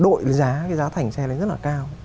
đội giá cái giá thành xe này rất là cao